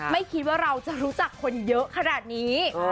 ไม่คิดว่าเราจะรู้จักคนเยอะขนาดนี้